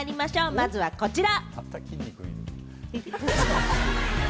まずは、こちら。